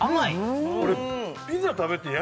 俺ピザ食べてうん！